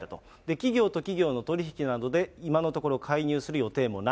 企業と企業の取り引きなどで、今のところ、介入する予定もない。